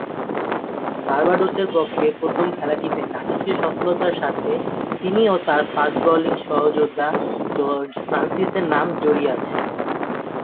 বার্বাডোসের পক্ষে প্রথম খেলাটিতে নাটকীয় সফলতার সাথে তিনি ও তার ফাস্ট বোলিং সহযোদ্ধা জর্জ ফ্রান্সিসের নাম জড়িয়ে আছে।